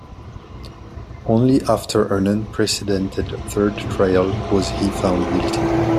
Only after an unprecedented third trial was he found guilty.